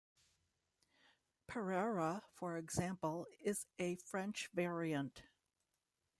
"Pereire", for example, is a French variant.